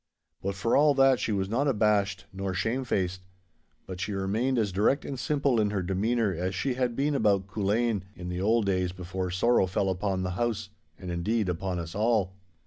But for all that she was not abashed nor shame faced. But she remained as direct and simple in her demeanour as she had been about Culzean, in the old days before sorrow fell upon the house, and, indeed, upon us all.